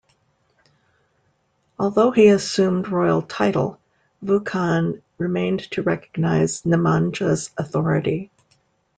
Although he assumed royal title, Vukan remained to recognize Nemanja's authority.